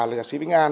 là nhạc sĩ vĩnh an